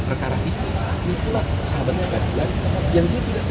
kalau bapak ibu saya tidak tahu apa yang berlaku dengan ibu mega itu